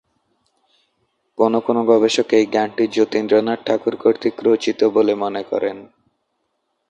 কোনও কোনও গবেষক এই গানটি জ্যোতিরিন্দ্রনাথ ঠাকুর কর্তৃক রচিত বলে মনে করেন।